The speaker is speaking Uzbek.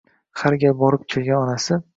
Har gal borib kelgan onasi